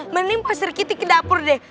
mending pak serikiti ke dapur deh